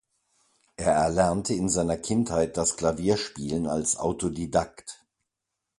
Er erlernte in seiner Kindheit das Klavierspielen als Autodidakt.